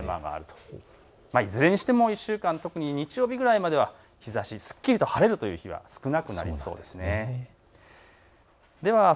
いずれにしても日曜日ぐらいまでは日ざし、すっきりとした日が少なくなりそうです。